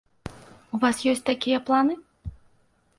У вас ёсць такія планы?